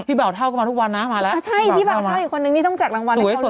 พี่บ่าวเท่าก็มาทุกวันนะมาแล้วพี่บ่าวเท่าอีกคนนึงนี่ต้องแจกรางวัลให้เขาหรือเปล่า